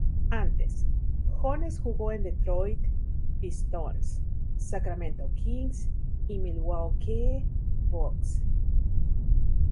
Antes, Jones jugó en Detroit Pistons, Sacramento Kings y Milwaukee Bucks.